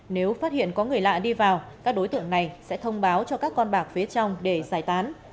nếu phát hiện có người lạ đi vào các đối tượng này sẽ thông báo cho các con bạc phía trong để giải tán